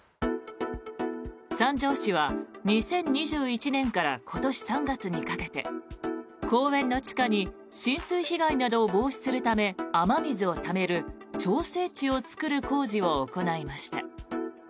三条市は２０２１年から今年３月にかけて公園の地下に浸水被害などを防止するため雨水をためる調整池を作る工事を行いました。